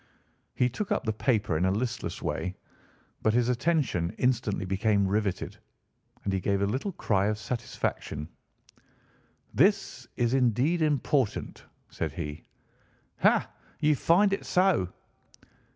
He took up the paper in a listless way, but his attention instantly became riveted, and he gave a little cry of satisfaction. "This is indeed important," said he. "Ha! you find it so?"